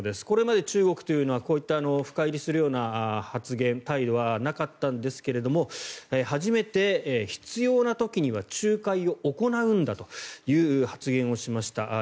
これまで中国というのはこういった深入りするような発言や態度はなかったんですが初めて必要な時には仲介を行うんだという発言をしました。